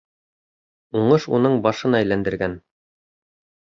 Уңыш уның башын әйләндергән